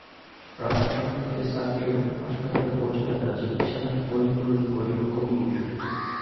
রাত আটটার দিকে সাকির হাসপাতালে পৌঁছলে তাঁর চিকিৎসা দেন ফজলুল কবির।